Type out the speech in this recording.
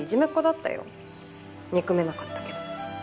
憎めなかったけど。